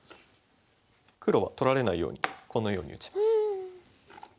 黒は取られないようにこのように打ちます。